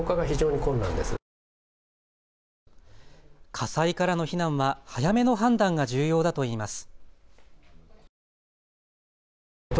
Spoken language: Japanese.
火災からの避難は早めの判断が重要だといいます。